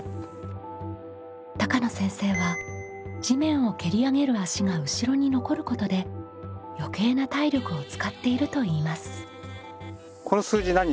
高野先生は地面を蹴り上げる足が後ろに残ることで余計な体力を使っていると言います。